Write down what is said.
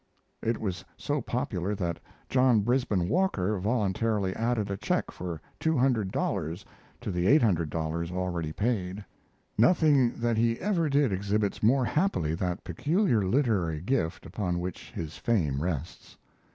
[It was so popular that John Brisben Walker voluntarily added a check for two hundred dollars to the eight hundred dollars already paid.] Nothing that he ever did exhibits more happily that peculiar literary gift upon which his fame rests.